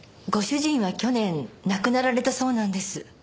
ご主人は去年亡くなられたそうなんです。